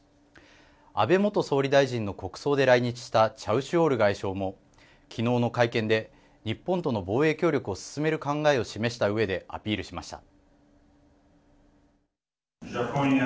安倍元総理大臣の国葬で来日したチャウシュオール外相も昨日の会見で日本との防衛協力を進める考えを示したうえでアピールしました。